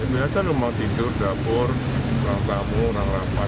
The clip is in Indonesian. biasa rumah tidur dapur orang tamu orang rapat